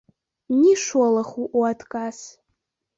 Ні шолаху ў адказ.